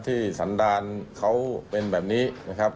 สันดาลเขาเป็นแบบนี้นะครับ